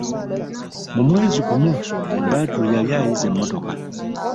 Mu mwezi gumu Badru yali ayize emmotoka.